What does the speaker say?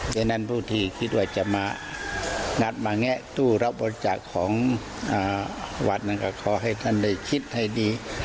ฉะนั้นผู้ที่คิดว่าจะมางัดมาแงะตู้รับบริจาคของวัดนั้นก็ขอให้ท่านได้คิดให้ดี